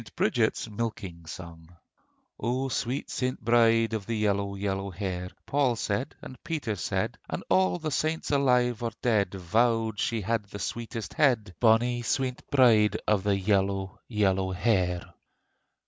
BRIDGET'S MILKING SONG O sweet St. Bride of the Yellow, yellow hair: Paul said, and Peter said, And all the saints alive or dead Vowed she had the sweetest head, Bonnie sweet St. Bride of the Yellow, yellow hair.